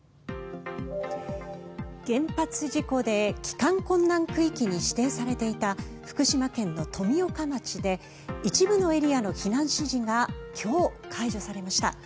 原発事故で帰還困難区域に指定されていた福島県の富岡町で一部のエリアの避難指示が今日、解除されました。